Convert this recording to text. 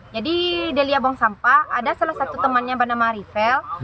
jadi delia buang sampah ada salah satu temannya bernama rifel